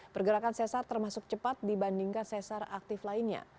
pergerakan sesar termasuk cepat dibandingkan sesar aktif lainnya